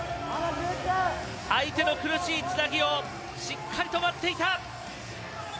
相手の苦しいつなぎをしっかりと待っていた。